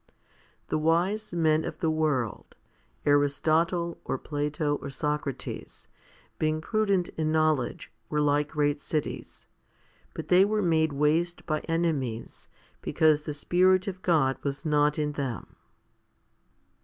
The wise men of the world, Aristotle, or Plato, or Socrates, 1 being prudent in knowledge, were like great cities, but they were made waste by enemies, because the Spirit of God was not in them.